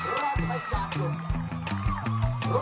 ราชญานจด